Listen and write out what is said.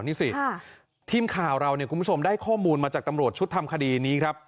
นี่สิทีมข่าวเราเนี่ยคุณผู้ชมได้ข้อมูลมาจากตำรวจชุดทำคดีนี้ครับ